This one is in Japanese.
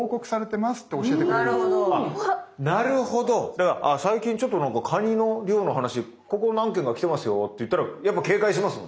だから最近ちょっとなんかカニの漁の話ここ何件か来てますよって言ったらやっぱ警戒しますもんね。